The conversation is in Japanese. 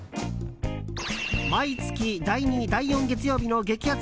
毎月第２、第４月曜日の激アツ